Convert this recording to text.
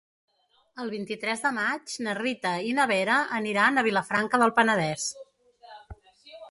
El vint-i-tres de maig na Rita i na Vera aniran a Vilafranca del Penedès.